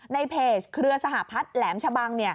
ในเพจเครือสหพัฒน์แหลมชะบัง